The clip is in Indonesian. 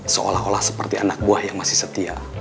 seolah olah seperti anak buah yang masih setia